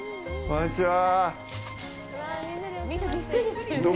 こんにちは。